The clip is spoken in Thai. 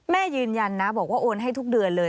ยืนยันนะบอกว่าโอนให้ทุกเดือนเลย